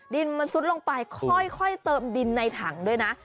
ดินมันซุดลงไปค่อยเติมดินในถังด้วยนะ